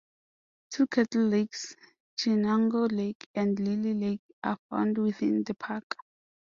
Two kettle lakes, Chenango Lake and Lily Lake, are found within the park.